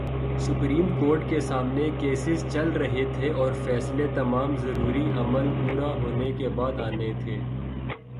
Supreme court کے سامنے cases چل رہے تھے اور فیصلے تمام ضروری عمل پورا ہونے کے بعد آنے تھے۔